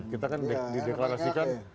kita kan di deklarasikan